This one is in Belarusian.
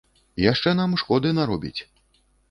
Яшчэ нам шкоды наробіць.